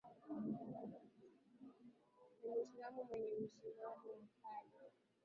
ni muislamu mwenye msimamo mkali